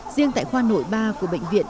riêng tại khoa nội ba của bệnh viện